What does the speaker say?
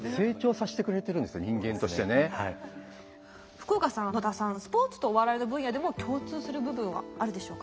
福岡さん野田さんスポーツとお笑いの分野でも共通する部分はあるでしょうか。